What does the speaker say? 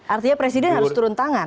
artinya presiden harus turun tangan